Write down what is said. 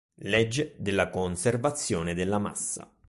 Legge della conservazione della massa